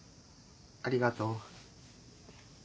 ありがとう。